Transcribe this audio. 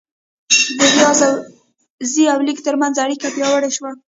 د ریاضي او لیک ترمنځ اړیکه پیاوړې شوه.